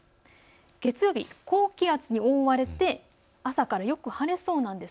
月曜日、高気圧に覆われて朝からよく晴れそうなんです。